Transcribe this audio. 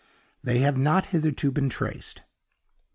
They have not hitherto been traced.